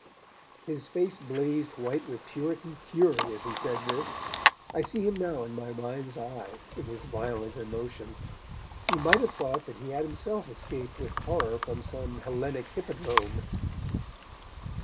His face blazed white with Puritan fury as he said this I see him now in my mind's eye, in his violent emotion. You might have thought that he had himself escaped with horror from some Hellenic hippodrome.